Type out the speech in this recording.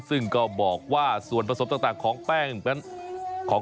ซึ่งก็บอกว่าส่วนผสมต่างของแป้ง